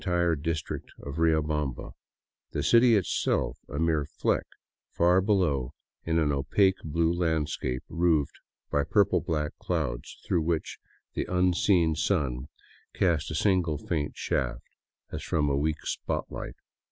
tire district of Riobamba, the city itself a mere fleck far below in an opaque blue landscape roofed by purple black clouds through which the unseen sun cast a single faint shaft, as from a weak spotlight.